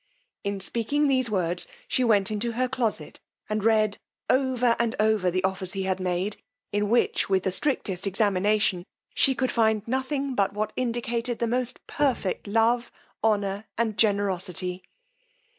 In speaking these words she went into her closet, and read over and over the offers he had made, in which, with the strictest examination, she could find nothing but what indicated the most perfect love, honour, and generosity.